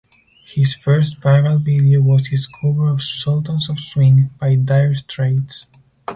His first viral video was his cover of "Sultans of Swing" by Dire Straits.